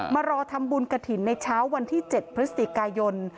มารอทำบุญกระถิ่นในเช้าวันที่๗พฤศจิกายน